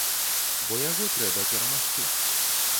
Бо яго трэба перамагчы.